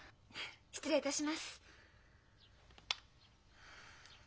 失礼いたします。